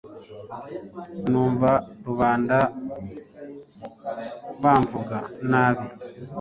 Numva rubanda bamvuga nabi